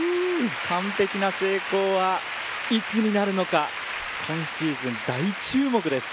完璧な成功はいつになるのか今シーズン大注目です